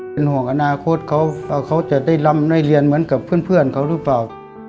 เป็นห่วงอนาคตเขาว่าเขาจะได้รำได้เรียนเหมือนกับเพื่อนเขาหรือเปล่า